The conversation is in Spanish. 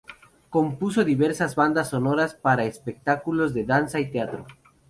Compuso diversas bandas sonoras para espectáculos de danza y teatro.